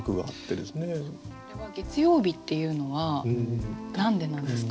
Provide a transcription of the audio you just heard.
これは「月曜日」っていうのは何でなんですか。